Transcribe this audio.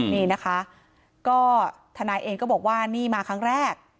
นี่นะคะก็ทนายเองก็บอกว่านี่มาครั้งแรก